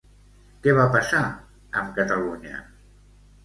Què va passar amb Catalunya?